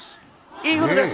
イーグルです。